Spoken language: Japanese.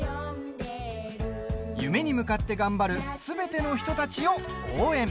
夢に向かって頑張るすべての人たちを応援。